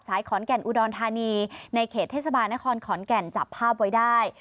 ขอนแก่นอุดรธานีในเขตเทศบาลนครขอนแก่นจับภาพไว้ได้